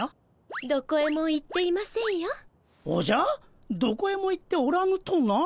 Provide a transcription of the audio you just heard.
おじゃどこへも行っておらぬとな？